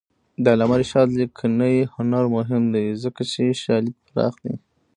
د علامه رشاد لیکنی هنر مهم دی ځکه چې شالید پراخ دی.